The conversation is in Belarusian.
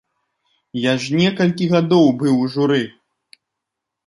Я ж некалькі гадоў быў у журы!